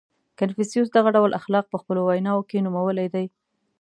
• کنفوسیوس دغه ډول اخلاق په خپلو ویناوو کې نومولي دي.